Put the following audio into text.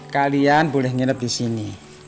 kalian boleh nginep disini